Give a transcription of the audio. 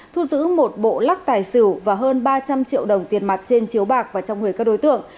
thu giữ một bộ lắc tài xỉu và hơn ba trăm linh triệu đồng tiền mặt trên chiếu bạc và trong người các đối tượng